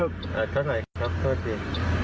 เอ่อเท่านั้นครับโทษที